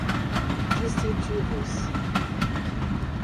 distintivos